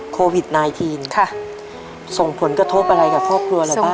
โควิด๑๙ส่งผลกระทบอะไรกับครอบครัวเราบ้าง